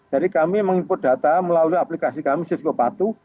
jadi kami mengimput data melalui aplikasi kami syskopatu